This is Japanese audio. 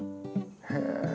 へえ。